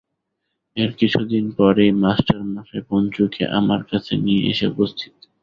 এর কিছুদিন পরেই মাস্টারমশায় পঞ্চুকে আমার কাছে নিয়ে এসে উপস্থিত।